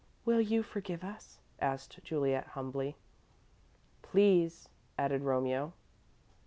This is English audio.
"Will you forgive us?" asked Juliet, humbly. "Please," added Romeo.